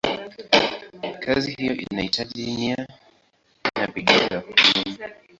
Kazi hiyo inahitaji nia na bidii za kudumu.